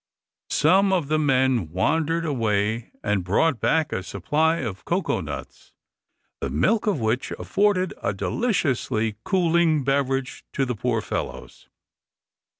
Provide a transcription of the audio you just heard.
Some of the men wandered away, and brought back a supply of cocoa nuts, the milk of which afforded a deliciously cooling beverage to the poor fellows.